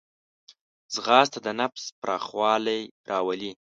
ځغاسته د نفس پراخوالی راولي